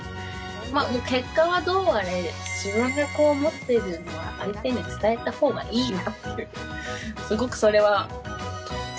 まあ結果はどうあれ自分がこう思ってるのは相手に伝えた方がいいなっていうすごくそれはお！